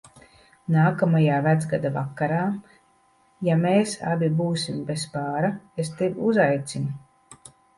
Nākamajā Vecgada vakarā, ja mēs abi būsim bez pāra, es tevi uzaicinu.